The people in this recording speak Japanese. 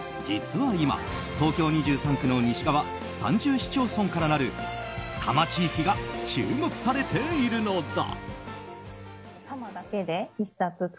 実は今、東京２３区の西側３０市町村からなる多摩地域が注目されているのだ。